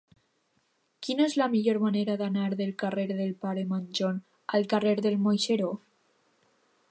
Quina és la millor manera d'anar del carrer del Pare Manjón al carrer del Moixeró?